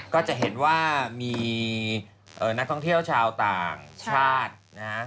ก็จะเห็นว่ามีนักท่องเที่ยวชาวต่างชาตินะฮะ